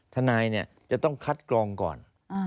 ทนายเนี่ยจะต้องคัดกรองก่อน